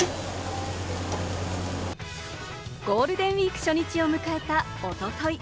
ゴールデンウイーク初日を迎えた、一昨日。